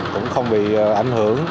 cũng không bị ảnh hưởng